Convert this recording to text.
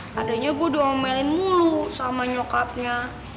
padanya gua doa melin mulu sama nyokapnya